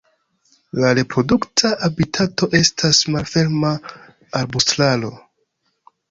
La reprodukta habitato estas malferma arbustaro.